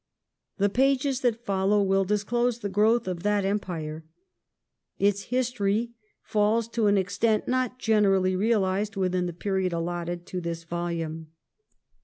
The pages that follow will disclose the growth of that Empire. Its history falls, to an extent not generally realized, within the period allotted to this volume.